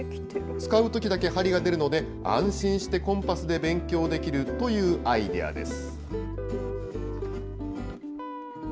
使うときだけ針が出るので、安心してコンパスで勉強できるというアイデアです。